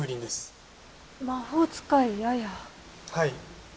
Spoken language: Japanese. はい。